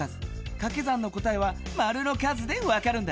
かけ算の答えはマルの数でわかるんだ。